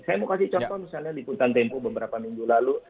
saya mau kasih contoh misalnya di hutan tempo beberapa minggu lalu